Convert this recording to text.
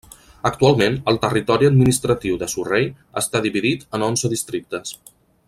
Actualment el territori administratiu de Surrey està dividit en onze districtes.